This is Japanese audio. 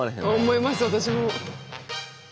思います私も。